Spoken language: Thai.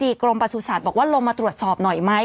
อธิบดีกรมประสุทธิ์บอกว่าลงมาตรวจสอบหน่อยมั้ย